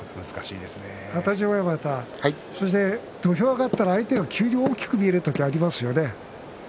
二十山親方土俵に上がったら相手が急に大きく見える時がありますよね。